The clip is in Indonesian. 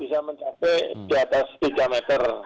bisa mencapai di atas tiga meter